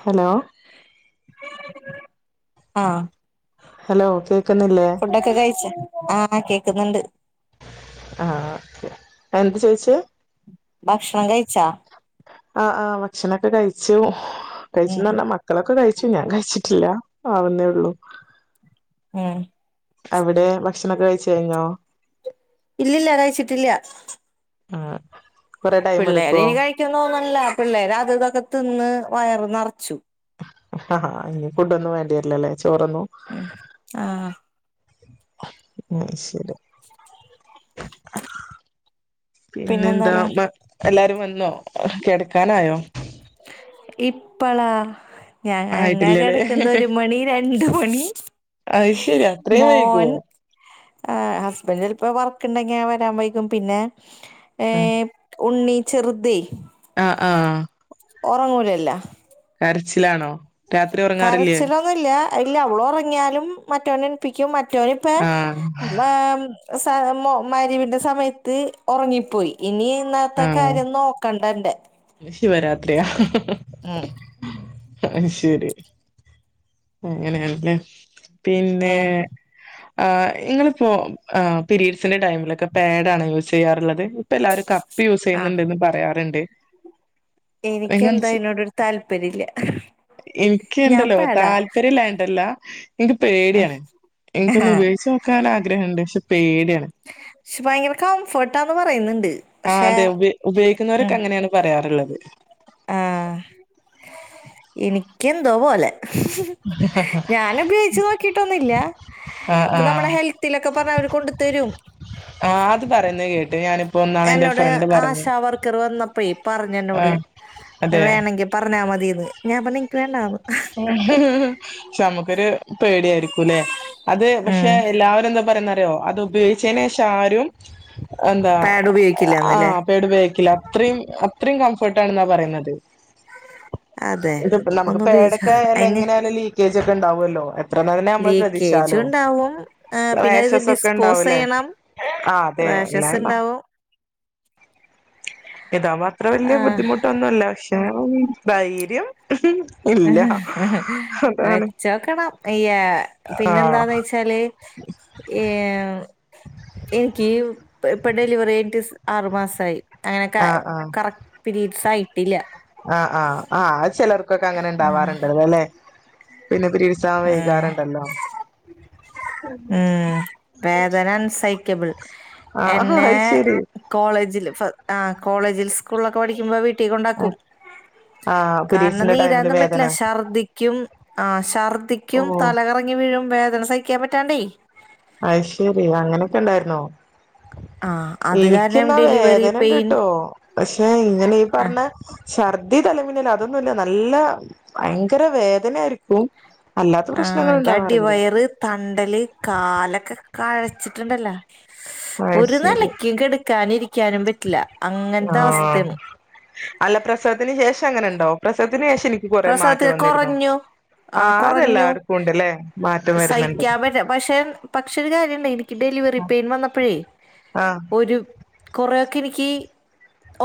Hello ആഹ് hello കേ ഫുഡൊക്കെ കഴിച്ച ആഹ് കേക്ക്ന്ന്ണ്ട് ആഹ് ക്കെ അഎന്ത ചോയ്ച്ചേ ഭക്ഷണം കഴിച്ചാ അഹ് ആഹ് ഭക്ഷണാക്കെ കഴിച്ചു കഴിച്ച്ന്നു ഉം പറഞ്ഞാ മക്കളൊക്കെ കഴിച്ചു ഞാൻ കഴിച്ചിട്ടില്ല ആവുന്നേ ഒള്ളൂ ഉം അവ്ടെ ഭക്ഷണൊക്കെ കഴിച്ച് കഴിഞ്ഞോ ഇല്ലില്ല കയ്ച്ചിട്ട്ല്ല്യ അഹ് പിള്ളേര് ഇനി കഴിക്കും തോന്ന്ണ്ല്ല പിള്ളേര് അതും ഇതൊകെ തിന്ന് വയറ് നെറച്ചു ഇഞ്ഞ് ഫുഡൊന്നും വേണ്ടിരില്ലല്ലേ? ഉം ആ മം ശരി അ പിന്നെന്താ പിന്നെന്താണ് മ എല്ലാരും വന്നോ കെട് കാനായോ ഇപ്പള ഞാൻ ഇങ്ങാ ആയിട്ടില്ലല്ലേ കെടക്കുന്നത് ഒരുമണി രണ്ടുമണി. അത് ശരി അത്രയും മോൻ വൈകുവോ ആ ഹസ്ബൻഡ് ചെല്പ്പോ വർക്ക് ഇണ്ടെങ്കിങ്ങ വരാൻ വൈകും. പിന്നെ ഏ ആഹ് ഉണ്ണി ചെറ്‌തേ അ ആ ഒറങ്ങൂലല്ല കരച്ചിലാണോ? രാത്രി ഒറങ്ങാറ്ല്ല്യേ? കരച്ചിലൊന്നുമില്ല ഇല്ല. അവളൊറങ്ങ്യാലും മറ്റൊനെണ്പ്പിക്കും മ ട്ട്യാളിപ്പോ ആഹ് [unintelligible] സ മ മയ്രിബിന്റെ സമയത്ത് ഒറങ്ങിപ്പോയി ഇനി ന്നാത്തെ ആഹ് കാര്യം നോക്കണ്ടന്റെ ശിവരാത്രിയാ ഉം അട്ശരി അങ്ങനെയാണല്ലേ? പിന്നെ ഉം ആ ഇങ്ങളിപ്പോ ആ പീരീഡ്സിന്റെ ടൈമിലൊക്കെ പാഡ് ആണോ യൂസ്യ്യാറുള്ളത്? ഇപ്പ എല്ലാരും കപ്പ് യൂസ്യ്യുന്നുണ്ട്ന്ന് പറയാറുണ്ട്. എനിക്ക് എന്തോ നിങ്ങളെന്താ ആയിനോടൊരു താല്പര്യല്യാ. ഞാൻ എനിക്കുണ്ടല്ലോ പാഡാ താല്പര്യല്ലായിട്ടല്ല എനിക്ക് പേട്യാണ്. എനിക്കൊന്ന് ഉപയോഗിച്ച് നോക്കാൻ ആഗ്രഹംണ്ട് പക്ഷേ പേട്യാണ്. പക്ഷെ ഭയങ്കര കംഫർട്ടാന്ന് പറയുന്നുണ്ട് ആ പക്ഷെ അതെ ഉപയോഗിക്കുന്നവരൊക്കെ ഉം അങ്ങനെയാണ് അത്ള്ളത് ആ എനിക്കെന്തോ പോലെ ഞാന് ഉപയോഗിച്ച് നോക്കിട്ടൊന്നൂല്യാ. ആഹ് ഇപ്പ ആഹ്. നമ്മടെ ഹെൽത്തിലൊക്കെ പറഞ്ഞ അവര് കൊണ്ട്തരും. ആഹ് അത് ഞാനും എന്നോട് ആശവർക്കറ് വന്നപ്പേ പറഞ്ഞേന്നോട് ആഹ് അതെ. വേണങ്കി പറഞ്ഞാ മതിന്ന്. ഞാ പറഞ്ഞ് ഇനിക്ക് വേണ്ടാന്ന് ക്ഷേ നമുക്കൊരു പേടിയായിരിക്കും. ക്കുലേ അത് ഉം പക്ഷേ എല്ലാവരും എന്താ പറയുന്നറിയോ അത് ഉപയോഗി ച്ചനേഷം ആരും എന്താ പാഡ് ഉപയോഗിക്കില്ലെന്നല്ലേ ആഹ് പെടുബക്കില്ല അത്രയും അത്രയും കംഫർട്ട ആാണ്െന്നാ പറയുന്നത് അതെ ഇ നമുക്ക് ഒന്ന് പേട ഉപയോഗിച്ച എങ്ങനെയാല ലീക്കേ് ക്കെണ്ടാവുമല്ലോ ലീക്കേജും ഉണ്ടാവും പിന്നെ അത് റാഷസ് ഒക്കെ ഡിസ്പോസ് ഉണ്ടാവൂലേ ചെയ്യണം ആഹ് അതെ റാഷസ് ഉണ്ടാവും ഇതാ അത്ര ആ, വല്ിയ ബുദ്ധിമുട്ടൊന്നുമല്ല പക്ഷെ ഉ ധൈര്യം ഇല്ല അതാണ് വെച്ചോക്കണം ആഹ് പിന്നെന്താന്ന് വെച്ചാല് എനിക്ക് ഇപ്പൊ ഡെലിവറി എട്ട ആറ് മാസം ആായി അങ്ങനെ ആഹ് ആഹ് കറക്ട് പീരീഡ്സ് ആയി ആഹ് ആഹ് ആഹ്ത് ചിലർക്കൊക്ക അങ്ങനെ ഉണ്ടാവാറുണ്ട് അല്ലെ പിന്നെ പിരീഡ്സ് ആവാൻ ഉ വൈകാറുണ്ടല്ലോ ഉ വേദന അൻസൈക്കബിൾ ആഹ് എന്നെ അത് ശരി കോളേജിൽ ആഹ്ളേജിൽ സ്കൂളിലൊക്കെ പഠിക്കുമ്പോ വട്ട കുട്ട കൊണ്ടാക്കും ആഹ് കാരണം പിരീഡ്സിന്റെ ടൈമില് നീരൊന്നും വേദന പറ്റില്ല ഛർദിക്കും ആ ഷാർഖ ഓ ത്തിക്കും തലകറങ്ങി വീഴും വേ സഹിക്കാൻ പറ്റാണ്ടേ അ ശരി അങ്ങനെയൊക്കെ ഇണ്ടായിുന്നോ ആ അത് കാരണം എനിക്കന്നാ ഡെലിവറി പെയിൻ വേദനണ്ട്ിട്ടോ പക്ഷെ ഇങ്ങനെ ഈ ആ പറഞ്ഞ ഛർദി തലമനേൽ അതൊന്നുമല്ല നല്ല ഭയങ്കര വേദന ആായിരിക്കും ആഹനി അടിവയറ് തണ്ടല് കാലൊക്കെ കഴച്ചിട്ടുണ്ടല്ലോ അത് ഒരു ശരി നിലക്കും കടക്ക ക്കാനിരിക്കാനും പറ്റില്ല ആ അങ്ങനത്തെ അവസ്ഥയാണ് അല്ല പ്രസവത്തിന് ശേഷം അങ്ങനെ ഉണ്ടോ പ്രസത്തിന് എനിക്ക് കൊറെ മാറ്റം പ്രസവത്തിൽ വന്നിരുന്നു കുറഞ്ഞു ആ അതെല്ലാർക്കും ഉണ്ടല്ലേ സഹിക്കാൻ പറ്റ പക്ഷെ പക്ഷ ഒരു കാര്യം ഡെലിവറി പെയിൻ വന്നപ്പോഴേ ആഹ് ഒരു കൊറ എനിക്ക്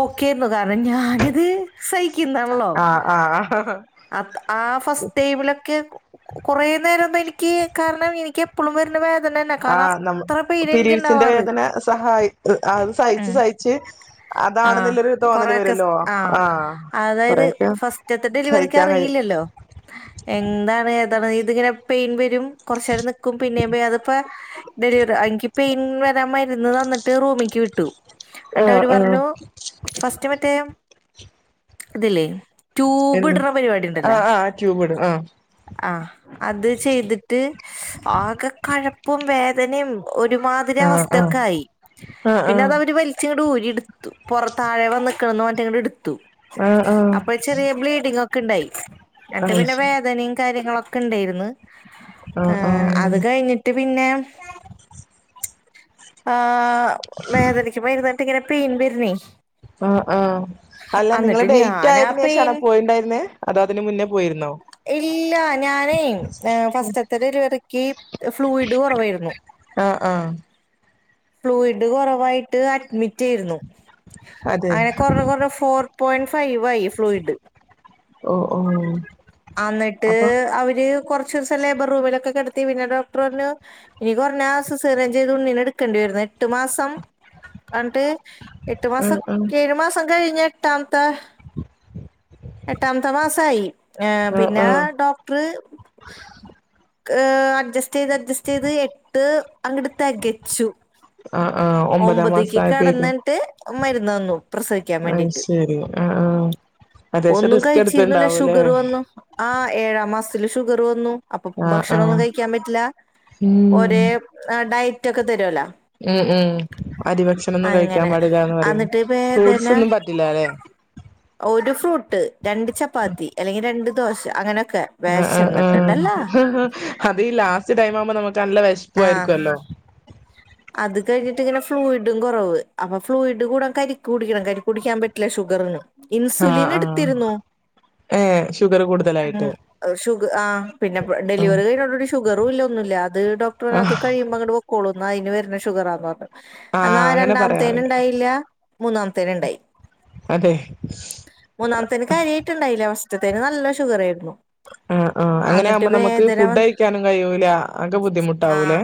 ഓക്കെന്ന് കാരണം ഞാനിത് സഹിക്കുന്നാല്ലോ ആഹ് ആഹ് ആ ഫസ്റ്റ് ടേബിലൊക്കെ കൊറേ നേരം അ എനിക്ക് കാരണം എനിക്ക് എപ്പോഴളും വാരുന്ന വേദ ആ നമ്മ പിരീഡസിന്റെ വേദന സഹായി അത് സഹിച്ച് ഉം. സഹിച്ച് ആ അതാണെന്നുള്ളരു തോന്നല് കുറെയൊക്കെ വരുല്ലോ സ്- ആ അതായത് കൊറേൊക്കെ ഫസ്റ്റത്തെ ഡെലിവറിക്ക് സഹിക്കാൻ കഴിയും ത ഇതിങ്ങനെ പെയിൻ വരും കുറച്ച നേരം നിക്കും പിന്നെയവേ അതിപ്പോ ഡെലിവറി എനിങ്കിപ്പെയിൻ വരാൻ ഇന്ന് തന്നിട്ട് റൂമിക്ക് വിട്ടു എന്നട്ട ആഹ് അവര് ആഹ് പറഞ്ഞു ഫസ്റ്റ് മറ്റേ അ അതല്ലേ എന്താ ആ ആഹ് ഡ്യുബീടും ആ ആ അത് ചെയ്തിട്ട് ന്തനിം ഒരുമാതിരി ആഹ് അവസ്ഥ ഒക്കെ ആയി ആഹ് ആഹ് പിന്നെ ആഹ് അത അവര് വലിച്ചട ഊരി എടുത്തു പുറത്താഴെ വന്നക്കണന്ന് മറ്റങ്ങ് എടുത്തു ആ ആ ഒക്കെണ്ടായി എന്റെ പിന്നെ വേദനയും കാര്യങ്ങളൊ ക്ക്ണ്ടാരുന്നു ആ ആ പിന്നെ [inaudible] ആ വേദനക്ക് മരുന്നുണ്ട് ട്ടിങ്ങനെ പെയിൻ വരുന്നെ ആ ആ അല്ല നിങ്ങള് ഡേറ്റ് ഞാനാ ആയതിനേ പെയിൻ ഷാണോ പോയിണ്ടായിരുന്നേ അതോ അതിന് മുന്നേ പോയിരുന്നോ ഇല്ല ഞാനേ ഫസ്റ്റത്തെ ഡെലിവറിക്ക് ഫ്ലൂയിഡ് കുറവായിരുന്നു ആ ആ ഫ്ലൂയിഡ് കുറവായിട്ട് അഡ്മി റ്റേരുന്നു അതെ അങ്ങനെ കൊറെ കൊറെ ഫോർ പോയിന്റ് ഫൈവ് ആയി ഫ്ലൂയിഡ് ഓ ഓ അന്നിട്ട് അപ്പൊ അവര് കൊറച്ചൂസം ലേബർ റൂമിലൊക്കെ കെടത്തി പിന്നെ ഡോക്ടർ പറഞ്ഞു ഇനി കൊറഞ്ഞാ സിസേറിയൻ ചെയ്ത് ഉണ്ണിനെ എടു കണ്ടുവരുന്ന് എട്ട് മാസം ആൻഡ്‌ എട്ട് ആ മാസം ആ ആ ഏഴ് മാസം കഴിഞ്ഞെ എട്ടാം എട്ടാമത്തെ മാസായി പിന്നെ ആ ഡോക്ടറ് ക്ക് അഡ്ജസ് ചെയ്ത് അഡ്ജസ്റ്റ് ചെയ്ത് എട്ട് അങ്ങട് തെകച്ചു ആ ആ ഒമ്പതാം മാസം ഒമ്പതേക്ക് ആയപ്പോഴേക്കും കടന്നിട്ട് മരുന്ന് തന്നു പ്രസവിക്കാൻ അത് വേണ്ടിട്ട് ശരി ആ ആ അത്യാവശ്യം ഒന്നും റിസ്ക് കഴിച്ചിരുന്നില്ല എടുത്തിണ്ടാവൂല്ലേ ഷുഗറ് വന്നു ആ ഏഴാം മാസത്തില് ഷുഗറ് വന്നു ആ ആ ഭക്ഷണൊന്നും കഴിക്കാൻ പറ്റില്ല ഉം ഒരേ ആ ഡയ റ്റൊക്കെ തരൊല്ലോ ഉം ഉം അരിഭക്ഷണം ഒന്നും കഴിക്കാൻ അങ്ങനെ പാടില്ലാന്ന് പറയുന്നു അന്നിട്ട് വേദന ഫ്രൂട്ട്സ് ഒന്നും പറ്റില്ല അല്ലെ ഒരു ഫ്രൂട്ട് രണ്ട് ചപ്പാത്തി അല്ലെങ്കിൽ രണ്ട് ദോശ അങ്ങനെ ഹാ ഹാ അത് ഈ ലാസ്റ്റ് ടൈം ആവുമ്പോ നമ ക്ക് നല്ല ആ വിശപ്പു ആയിരിക്കല്ലോ അത് കഴിഞ്ഞിട്ട് ഇങ്ങനെ ഫ്ലൂയിഡും കൊറവ് അപ്പൊ ഫ്ലൂയിഡ് കൂടാൻ കരിക്ക് കുടിക്കണം കരിക്ക് കുടിക്കാൻ പറ്റില്ല ഷുഗർന് ആ ഇൻസുലിൻ ആ എടുത്തിരുന്നു ഏ ഷുഗർ കൂടുതലായിട്ട് ഉ ഷുഗ് ആ പിന്നെ ആ ഡെലിവറി കഴിഞ്ഞോടൂടി ഷുഗറു ഇല്ല ഒന്നുല്ല അത് ഡോക്ടർ ആ അത് കഴിയുമ്പോ അങ്ങട്ട് പൊക്കോളുന്ന് ന്നയ്നു പിന്നെ ഷുഗർ ആ [unintelligible] ആ എന്നാ അങ്ങനെ പറയാറുണ്ട് രണ്ടാമത്തേന്ണ്ടായില്ല മൂന്നാമത്തേന്ണ്ടായി അതെ മൂന്നാമത്തേന് കാര്യായിട്ടിണ്ടായില്ല സ്റ്റ്ത്തെന് നല്ല ഷുഗർ ഏര്ന്നു ആ ആ അങ്ങനെ ആകുമ്പോ നമുക്ക് ഫുഡ് വന്ന് കഴിക്കാനും കഴിയൂല ആകെ ആ ബുദ്ധിമുട്ടാവു ലേ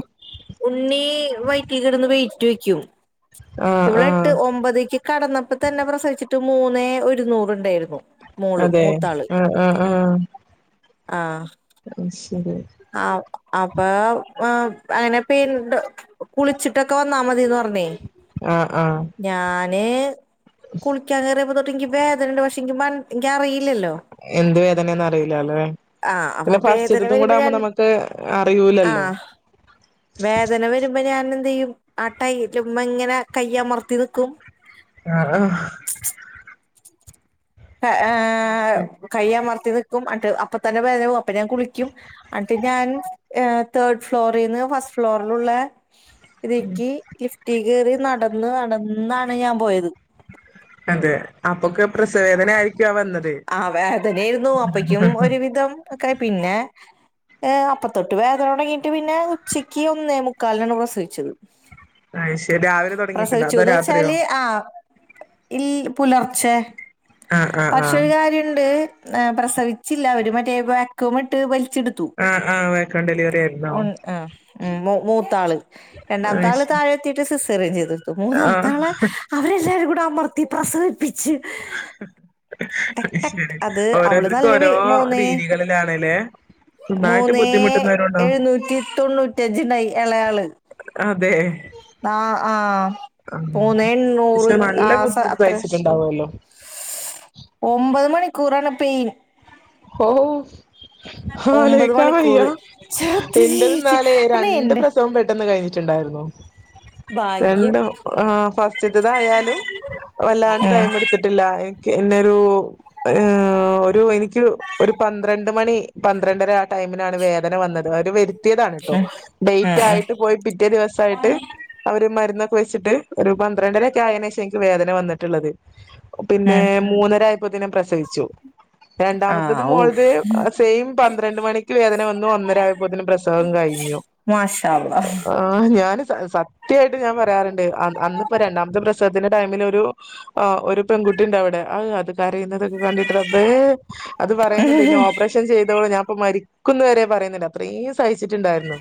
കിടന്ന്‌ വെയിറ്റു വയ്ക്കും ആ ഇവള് എട്ട് ഒമ്പതേക്ക് കടന്നപ്പോ തന്നെ പ്രസവിച്ചിട്ട് മൂന്നേ ഒരു നൂറ് ഉണ്ടായിരുന്നു അതെ ആ ആ ആ ആ [unintelligible] ആ അപ്പോ അ ങ്ങനെ [unintelligible] കുളിച്ചിട്ടൊക്കെ വന്നാ മതിന്ന് പറഞ്ഞെ ആ ആ ന് കുളിക്കാൻ കേറിയപ്പ തൊട്ട് ഇൻക്ക് വേദനണ്ട് ഷെ ഇൻക്ക് [unintelligible] എന്ത് വേദനയാന്ന് അറിയില്ല അല്ലേ ആഹ് അപ്പൊ പിന്നെ വേദന ഫസ്റ്റ്ത്തതും കൂടെ വരുമ്പോ ആവുമ്പോ ഞാൻ നമു ട്ട് അറിയൂലല്ലോ ഇപ്പ ഞാൻ എന്ത് ചെയ്യും ആ ട്ടൈ ക്മ്മ ഇങ്ങനെ കയ്യമർത്തി നിക്കും ആ ആ [unintelligible] ആ ശരി കയ്യാ മർത്തിത് [unintelligible] അപ്പ തന്നെ വേദന പോം അപ്പൊ ഞാൻ കുളിക്കും ട്ട് ഞാൻ തേർഡ് ഫ്ലോറിൽന്ന് ഫസ്റ്റ് ഫ്ലോറിലുള്ള ഇതേക്ക് ലിഫ്റ്റി കേറി നടന്ന് നടന്നാണ് ഞാൻ പോയത് അതെ അപ്പൊക്കെ പ്രസവേദന ആയിരിക്കും ആ വന്നത് ആ വേദനായിരുന്നു അപ്പക്കും ഒരുവിധം ഒക്കെ പിന്നെ ഏ അപ്പത്തൊട്ട് വേദന തുടങ്ങിട്ട് പിന്നെ ഉച്ചക്ക് ഒന്നേ മുക്കാലിനാണ് പ്രസവിച്ചത് അ ശരി രാവിലെ തുടങ്ങിട്ടുണ്ടോ അതോ പ്രസവിച്ചുന്ന് രാത്രിയോ വെച്ചാല് ആ ഇൽ പുല.. ച്ചെ.. ആ ആ ആ പക്ഷെ ഒരു കാര്യുണ്ട് അ പ്രസവിച്ചില്ല അവര് മറ്റേ വാക്വാമിട്ട് വലി.. [unintelligible] ച്ചെടുത്തു ആ ആ വെൽക്കം ഡെലിവറി ആയിരുന്നോ ഒന്ന് ഉം ഉം മൂത്താള് രണ്ടാം അയ് താള് ശരി താഴെത്തിട്ട് സിസേറിയൻ ചെയ്തെടുത്തു ആ മൂന്നാമത്താളെ അവരെല്ലാരും കൂ.. അമൃത്തി പ്രസവിപ്പി.. ച്ച് ശരി അത് അവള് ഓരോരുത്തർക്കും നല്ല ഓരോ മൂന്നേ രീതികളിലാണല്ലേ നന്നായിട്ട് മൂന്നേ ബുദ്ധിമുട്ടുന്നവരുണ്ടോ എഴുന്നൂറ്റി തൊണ്ണൂറ്റി അഞ്ച് ഉണ്ടായി. എളയാള് അതെ ആ ആ ആഹ് മൂന്ന് എണ്ണൂറ് പക്ഷെ ആ നല്ല ബുദ്ധിമുട്ട് അത്ര സഹിച്ചിട്ടുണ്ടാവുമല്ലോ [unintelligible] ഒമ്പത് മണി കുറ [unintelligible] പെയിൻ ഓഹ് ഒമ്പത് ആലോക്കാ വയ്യ മണിക്കൂറ് ചത്ത് എന്റെ ജീവിച്ച് എന്നാലേ അന്നെ രണ്ട് എന്റെ പ്രസവം പെട്ടെന്ന് കഴിഞ്ഞിട്ടുണ്ടായിരുന്നു ഭാഗ്യം രണ്ടോ ആഹ് [unintelligible] തായാലും വല്ലാണ്ട് ഉം ടൈം എടുത്തിട്ടില്ല എന്നരു [unintelligible] ഒരു എനിക്ക് ഒരു പന്ത്രണ്ട് മണി പന്ത്രണ്ടര ടൈമിനാണ് വേദന വന്ന ഒരു [unintelligible] ത്തിയതാണ് കേട്ടോ ഉം ഉം ഡേറ്റ് ഉം ആയിട്ട് പോയി പിറ്റേ ദിവസായിട്ട് അവര് മരുന്നൊ വെച്ചിട്ട് ഒരു പന്ത്രണ്ടരക്കെ ആയേന് [unintelligible] എനിക്ക് വേദന വന്നിട്ടുള്ളത് പിന്നെ ഉം മൂന്നരായപ്പോത്തനെ പ്രസവിച്ചു രണ്ടാമ ആ മോള ഊഫ് [unintelligible] പന്ത്രണ്ട് മണി വേദന വന്നു ഒന്നരായപ്പോത്തേന് പ്രസവം കഴിഞ്ഞു മാഷാ അല്ലാഹ് ആഹ് ഞാൻ സത്യായിട്ട് ഞാൻ പറയാറുണ്ട് അന്നിപ്പോ രണ്ടാമത്തെ പ്രസവത്തിന്റെ ടൈമിൽ ഒരു ആ ഒരു പെൺകുട്ടി ഉണ്ട് അവിടെ അത് കരയുന്നതൊക്കെ കണ്ടിട്ട് റബ്ബേ അത് പറയുന്നുണ്ട് ഇന്നെ ഓപ്പറേഷൻ ചെയതോ ഞാൻ പ്പൊ മരിക്കുന്നു വരെ പറയുന്നുണ്ട് അത്രയും സഹിച്ചിട്ടുണ്ടായിരുന്നു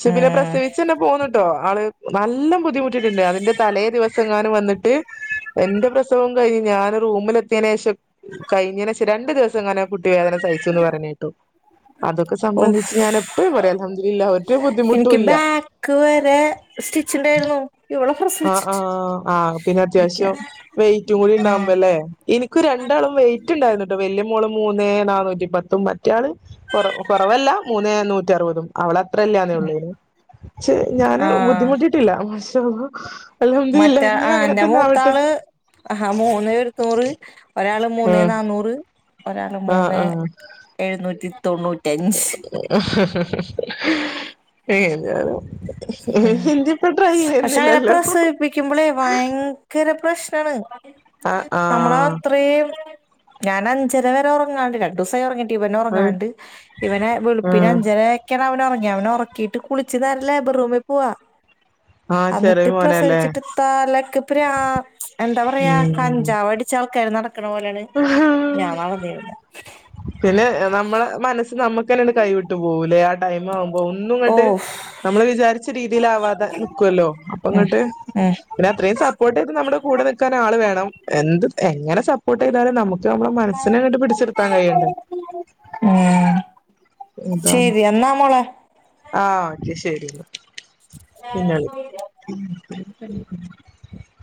ക്ഷെ പിന്നെ ഉം പ്രസവിച്ചന്നെ പോന്നിട്ടോ ആള് നല്ല ബുദ്ധിമുട്ടിട്ടുണ്ട് അതിന്റെ തലേ ദിവസം ങ്ങാനും വന്നിട്ട് എന്റെ പ്രസവം കഴിഞ്ഞ് ഞാൻ റൂമിലെത്തിയതിയേന് ശേഷം കഴിഞ്ഞേന് ശേഷം രണ്ട് ദിവസ ങ്ങനെ കുട്ടി വേദന സഹിച്ചുന്ന് പറഞ്ഞ കേട്ടു അതൊക്കെ ഊഫ് സംബന്ധിച്ച് ഞാൻ എപ്പഴും പറയും അലഹംദുലില്ല ഒരു എനിക്ക് ബുദ്ധിമുട്ടുംല്ല ബാക്ക് വരെ സ്റ്റിച്ചിണ്ടായിരുന്നു ഇവളെ ആ ആ പ്രസവിച്ചിട്ട് ആപിന്നെ ഇരിക്കാൻ അത്യാവശ്യം വെയിറ്റും കൂടി ആ ഉണ്ടാവുമ്പോല്ലേ എനക്ക് രണ്ടാളും വെയിറ്റ് ഉണ്ടായിരുന്നട്ടോ വല്യ മോള് മൂന്നേ നാനൂറ്റിപത്തും മ മറ്റേള് കൊറ കൊറവല്ല മൂന്നേ നൂറ്റി അറുപതും അവള് അത്രല്ലന്ന ഉള്ളേനു ക്ഷെ ഞാന് ബുദ്ധിമുട്ടിട്ടില്ല [unintelligible] [inaudible] മറ്റേ ആ ഇനിയും അങ്ങനെ എന്റെ തന്നെ ആവട്ടെ മൂത്താള് ആ ആ മൂന്ന് ഇരുനൂറ് ഒരാള് മൂന്നേ ആഹ് നാന്നൂറ് ഒരാള് ആഹ് മൂന്നേ എഴുന്നൂറ്റി തൊണ്ണൂ ഏ [unintelligible] ഉം ഹിന്ദിപ്പൊ ട്രൈ പക്ഷെ അങ്ങനെ ചെയ്യുന്നില്ലല്ലെ ഇപ്പൊ പ്പെണ് നമ്മള് അത്രയും ഞാന അഞ്ചര വരെ ഉറങ്ങാണ്ട് രണ്ടു ദിവസായി ഉറങ്ങിട്ട് ഇവനൊറങ്ങാണ്ട് ഇവനെ വെളുപ്പിന് ആഹ് അഞ്ചരയെക്കാണ് ഉറങ്ങി അവനെ ഉറക്കിട്ട് കുളിച്ച് നേരല്ലേ റൂമി പോവാ ആഹ് ചെറിയ അന്നിട്ട് മോനല്ലേ പ്രസവിച്ചിട്ട് തലയ്ക്ക് പ്രാ എന്താ പറയാ കഞ്ചാവ് അടിച്ച ആൾക്കാര് നട ക്കണ പോലെയാണ് ഉം [unintelligible] പിന്നെ നമ്മളെ മനസ്സ് നമക്ക് ക്കങ്ങട് കൈവിട്ട് പോവുല്ലേ ടൈം ആവുമ്പോ ഒന്നും ഓ ഇങ്ങട്ട് നമ്മള് വിചാരിച്ച രീതിയിലാവാതെ നിക്കുവല്ലോ അപ്പ ഉം ഇങ്ങട്ട് ഉം പിന്നെ അത്രയും സപ്പോർട്ട് ചെയ്ത് നമ്മുടെ കൂടെ നിക്കാൻ ആള് വേണം എന്ത് തേ എങ്ങനെ സപ്പോ പോട്ട് ചെയ്താലും നമക്ക് നമ്മടെ മനസ്സിന അങ്ങട് പിടിച്ചെടു ഉം ഇതാണ് ശരി എന്നാ മോളെ ആഹ് ശരി പിന്നെ വിളി [inaudible]